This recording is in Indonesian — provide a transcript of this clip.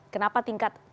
kenapa tingkat kematian